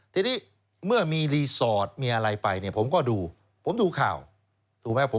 ทีนี้เมื่อมีรีสอร์ทมีอะไรไปเนี่ยผมก็ดูผมดูข่าวถูกไหม